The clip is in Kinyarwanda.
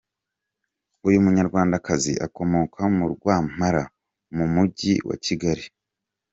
Uyu munyarwandakazi akomoka mu Rwampara mu mugi wa Kigali.